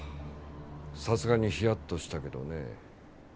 さすがにヒヤッとしたけどねえ。